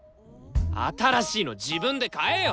新しいの自分で買えよ！